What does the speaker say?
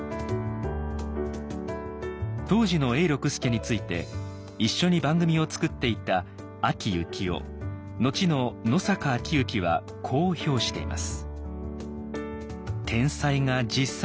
当時の永六輔について一緒に番組を作っていた阿木由紀夫後の野坂昭如はこう評しています。